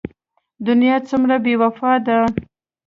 دنيا څومره بې وفا ده.